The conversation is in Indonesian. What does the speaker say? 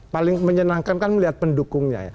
paling menyenangkan kan melihat pendukungnya ya